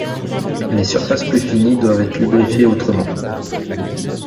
Les surfaces plus finies doivent être lubrifiées autrement.